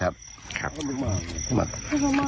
พ่อบอกว่าจริงแล้วก็เป็นยาดกันด้วย